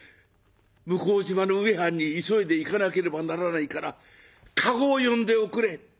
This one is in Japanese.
向島の植半に急いで行かなければならないから駕籠を呼んでおくれ。